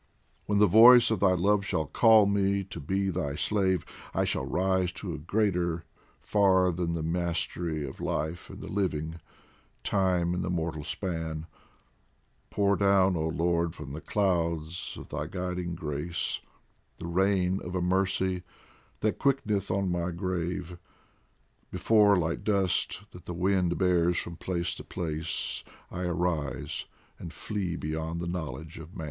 When the voice of thy love shall call me to be thy slave, I shall rise to a greater far than the mastery Of life and the living, time and the mortal span : Pour down, oh Lord ! from the clouds of thy guiding grace, The rain of a mercy that quickeneth on my grave, Before, like dust that the wind bears from place to place, I arise and flee beyond the knowledge of man.